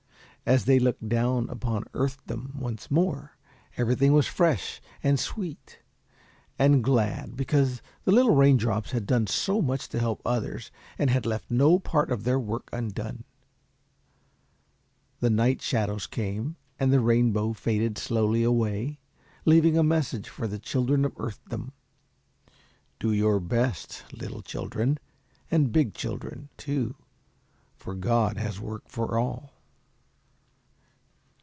As they looked down upon Earthdom once more, everything was fresh, and sweet, and glad, because the little raindrops had done so much to help others, and had left no part of their work undone. The night shadows came, and the rainbow faded slowly away, leaving a message for the children of Earthdom. "Do your best, little children, and big children, too, for God has work for all."